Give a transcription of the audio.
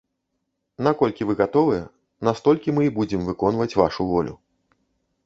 Наколькі вы гатовыя, настолькі мы і будзем выконваць вашу волю.